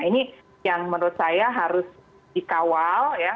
ini yang menurut saya harus dikawal ya